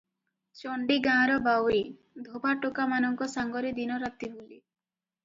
ଚଣ୍ଡୀ ଗାଁର ବାଉରି, ଧୋବା ଟୋକାମାନଙ୍କ ସାଙ୍ଗରେ ଦିନ ରାତି ବୁଲେ ।